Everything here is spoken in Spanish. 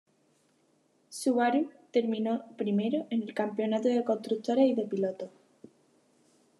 Subaru terminó primero en el campeonato de constructores y de pilotos.